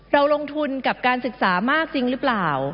เราลงทุนกับการศึกษามากจริงหรือเปล่า